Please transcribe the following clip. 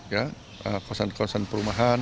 ya kawasan kawasan perumahan